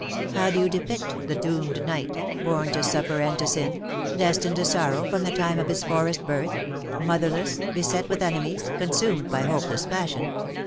How do you depict the doomed knight, born to suffer and to sin, destined to sorrow from the time of his forest birth — motherless, beset with enemies, consumed by hopeless passion.